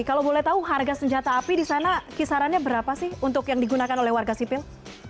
kalau boleh tahu harga senjata api di sana kisarannya berapa sih untuk yang digunakan oleh warga sipil